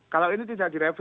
kalau ini tidak direvisi